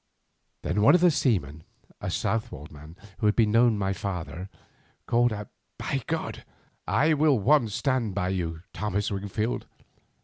"Then one of the seamen, a Southwold man who had known my father, called out: 'By God! I for one will stand by you, Thomas Wingfield.